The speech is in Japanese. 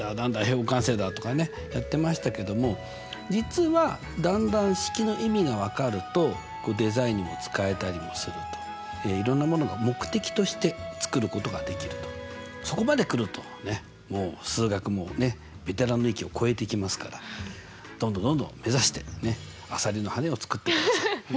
平方完成だとかねやってましたけども実はだんだん式の意味が分かるとデザインにも使えたりもするといろんなものが目的として作ることができるとそこまで来るともう数学もベテランの域を超えていきますからどんどんどんどん目指してあさりの羽を作ってください。